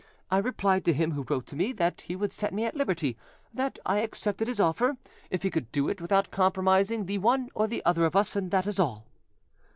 I replied to him who wrote to me that he would set me at liberty, that I accepted his offer, if he could do it without compromising the one or the other of us: that is all.